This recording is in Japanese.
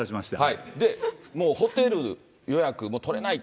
もうホテル予約も取れない。